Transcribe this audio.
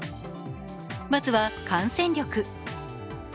まずは感染力。